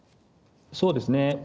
そうですね。